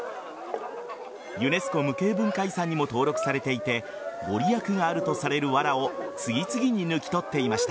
ユネスコ無形文化遺産にも登録されていて御利益があるとされるわらを次々に抜き取っていました。